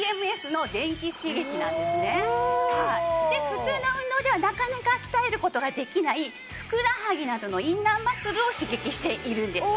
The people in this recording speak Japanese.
普通の運動ではなかなか鍛える事ができないふくらはぎなどのインナーマッスルを刺激しているんです。